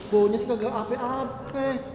baunya segagam ape ape